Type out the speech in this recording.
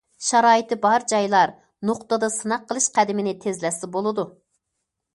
شارائىتى بار جايلار نۇقتىدا سىناق قىلىش قەدىمىنى تېزلەتسە بولىدۇ.